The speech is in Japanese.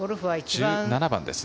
１７番です。